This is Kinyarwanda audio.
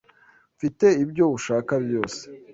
Mfite ibyo ushaka byose.